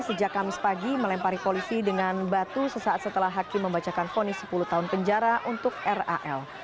sejak kamis pagi melempari polisi dengan batu sesaat setelah hakim membacakan fonis sepuluh tahun penjara untuk ral